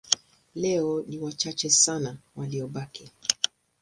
Leo ni wachache sana waliobaki.